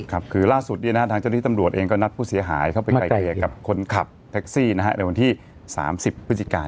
ครับคือล่าสุดทางเจ้าที่ตำรวจเองก็นัดผู้เสียหายเข้าไปไกลเกลี่ยกับคนขับแท็กซี่ในวันที่๓๐พฤศจิกา